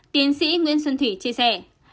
tiến sĩ nguyễn xuân thủy chia sẻ